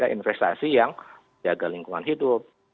investasi yang jaga lingkungan hidup